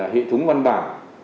hệ thống văn bản